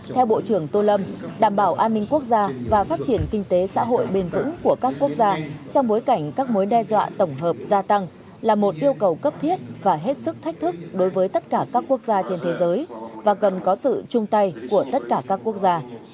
theo bộ trưởng tô lâm đảm bảo an ninh quốc gia và phát triển kinh tế xã hội bền vững của các quốc gia trong bối cảnh các mối đe dọa tổng hợp gia tăng là một yêu cầu cấp thiết và hết sức thách thức đối với tất cả các quốc gia trên thế giới và cần có sự chung tay của tất cả các quốc gia